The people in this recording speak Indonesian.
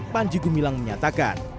panji gumilang menyatakan